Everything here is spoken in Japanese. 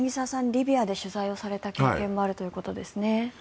リビアで取材された経験もあるということですね。